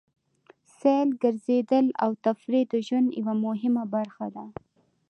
سیل، ګرځېدل او تفرېح د ژوند یوه مهمه برخه ده.